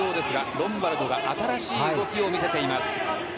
ロンバルドが新しい動きを見せています。